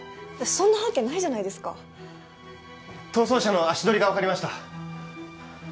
そんなわけないじゃないですか逃走車の足取りが分かりました